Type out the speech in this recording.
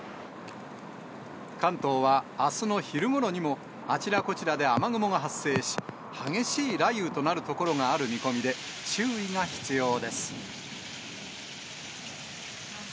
関東は、あすの昼ごろにもあちらこちらで雨雲が発生し、激しい雷雨となる所がある見込みで、注意が必要です。